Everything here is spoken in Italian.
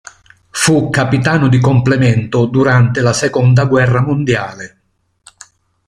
Fu capitano di complemento durante la seconda guerra mondiale.